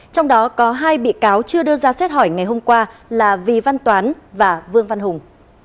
trong đó có hai bị cáo chưa đưa ra xét hỏi ngày hôm qua là vì văn toán và vương văn hùng